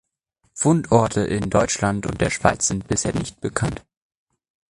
Fundorte in Deutschland und der Schweiz sind bisher nicht bekannt.